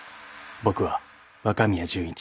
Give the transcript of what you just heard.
［僕は若宮潤一］